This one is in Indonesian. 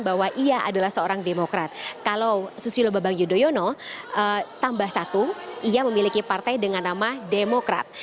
bahwa ia adalah seorang demokrat kalau susilo babang yudhoyono tambah satu ia memiliki partai dengan nama demokrat